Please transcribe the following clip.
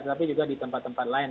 tetapi juga di tempat tempat lain